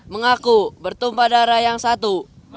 mengaku bertumpah darah yang satu